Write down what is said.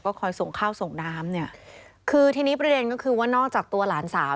คอยส่งข้าวส่งน้ำเนี่ยคือทีนี้ประเด็นก็คือว่านอกจากตัวหลานสาว